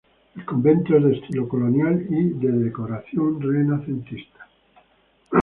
El convento es de estilo colonial y de decoración renacentista.